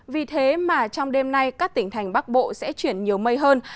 vì thế mà trong đêm nay các tỉnh thành bắc bộ sẽ chuyển nhiều mây hơn